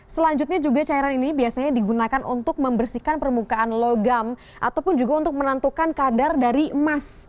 selanjutnya juga cairan ini biasanya digunakan untuk membersihkan permukaan logam ataupun juga untuk menentukan kadar dari emas